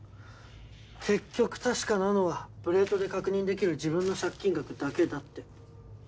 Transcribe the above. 結局確かなのはプレートで確認できる自分の借金額だけだって。